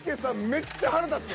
めっちゃ腹立つ。